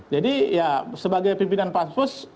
jadi sebagai pimpinan pak mahfud